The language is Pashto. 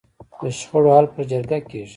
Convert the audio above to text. د شخړو حل په جرګه کیږي؟